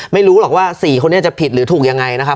ไม่รู้หรอกว่า๔คนนี้จะผิดหรือถูกยังไงนะครับ